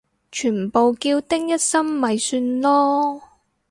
全部叫丁一心咪算囉